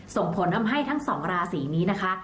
ส่งผลทำให้ทั้งสองราศีนี้นะคะ